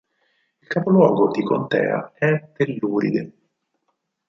Il capoluogo di contea è Telluride